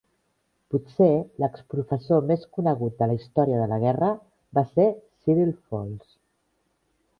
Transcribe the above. Potser l'exprofessor més conegut de la història de la guerra va ser Cyril Falls.